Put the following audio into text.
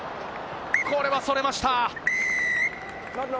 これは、それました。